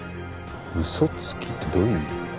「嘘つき」ってどういう意味？